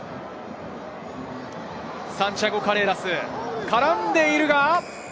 サンティアゴ・カレーラス、絡んでいるが。